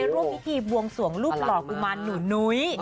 ร่วมพิธีบวงสวงรูปหล่อกุมารหนูนุ้ย